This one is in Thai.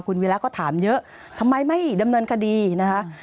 คุณวิระก็ถามเยอะทำไมไม่ดำเนินคดีนะคะ